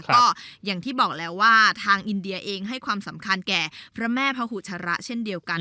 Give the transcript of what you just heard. ก็อย่างที่บอกแล้วว่าทางอินเดียเองให้ความสำคัญแก่พระแม่พุชระเช่นเดียวกัน